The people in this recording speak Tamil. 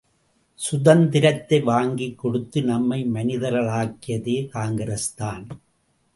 சுதந்தரத்தை வாங்கிக் கொடுத்து நம்மை மனிதர்களாக்கியதே காங்கிரஸ்தான்!